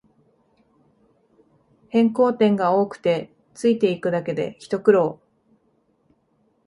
変更点が多くてついていくだけでひと苦労